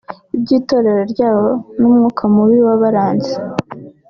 iby’itorero ryabo n’umwuka mubi wabaranze